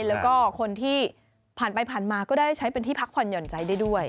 แล้วก็คนที่ผ่านไปผ่านมาก็ได้ใช้เป็นที่พักผ่อนหย่อนใจได้ด้วย